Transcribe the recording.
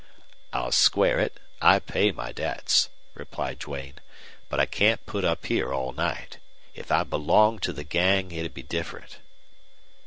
"I'll square it. I pay my debts," replied Duane. "But I can't put up here all night. If I belonged to the gang it 'd be different."